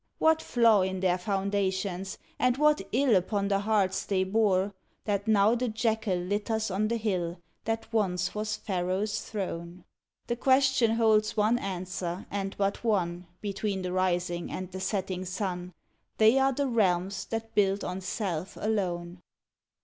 What flaw in their foundations, and what ill Upon the hearts they bore, That now the jackal litters on the hill That once was Pharaoh s throne? 95 ODE ON THE OPENING OF The question holds one answer and but one, Between the rising and the setting sun : They are the realms that built on self alone